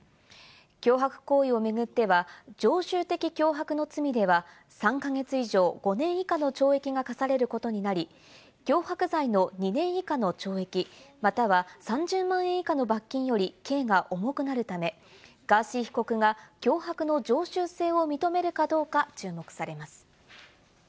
脅迫行為を巡っては常習的脅迫の罪では３か月以上、５年以下の懲役が科されることになり、脅迫罪の２年以下の懲役、または３０万円以下の罰金より刑が重くなるため、ガーシー被告が脅迫の常習性を認めるかどうか注目されます。